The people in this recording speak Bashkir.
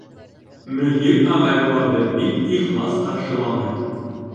Мөдир ағай уларҙы бик ихлас ҡаршыланы: